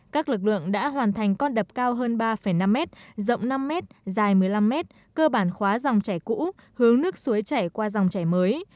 các lực lượng đã hoàn thành con đập cao hơn ba năm mét rộng năm mét dài một mươi năm mét cơ bản khóa dòng chảy cũ hướng nước suối chảy qua dòng chảy mới